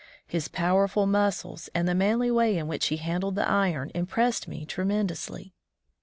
His powerful muscles and the manly way in which he handled the iron impressed me tremendously.